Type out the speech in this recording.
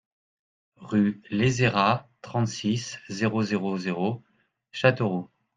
Rue Lézerat, trente-six, zéro zéro zéro Châteauroux